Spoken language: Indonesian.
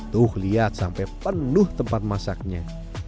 tuh lihat sampai penuh tempat masaknya